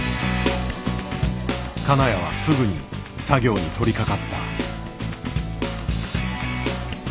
金谷はすぐに作業に取りかかった。